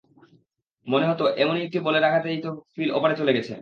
মনে হতো, এমনই একটি বলের আঘাতেই তো ফিল ওপারে চলে গেছে।